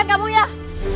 gak ada kegiatan